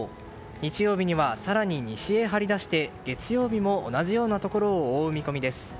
日曜日には更に西へ張り出して月曜日も同じようなところを覆う見込みです。